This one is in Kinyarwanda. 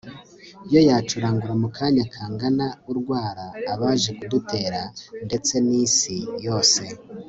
yo yacurangura mu kanya kangana urwara abaje kudutera, ndetse n'isi yose